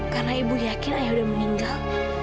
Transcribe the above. karena ibu yakin ayah udah meninggal